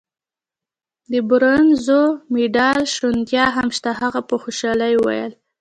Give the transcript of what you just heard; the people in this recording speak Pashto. د برونزو د مډال شونتیا هم شته. هغه په خوشحالۍ وویل.